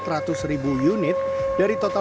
dari total produk otomotif di jakarta